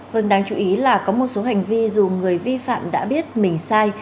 vâng đáng chú ý là có một số hành vi dù người vi phạm đã biết mình sai